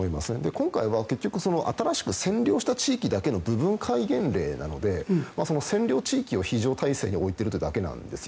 今回は新しく占領した地域だけの部分戒厳令なので占領地域を非常態勢に置いているというだけなんです。